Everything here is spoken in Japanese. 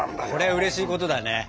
これはうれしいことだね。